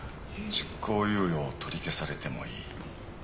執行猶予を取り消されてもいい。